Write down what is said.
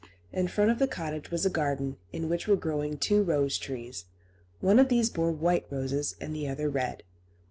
In front of the cottage was a garden, in which were growing two rose trees; one of these bore white roses, and the other red.